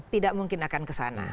tidak mungkin akan kesana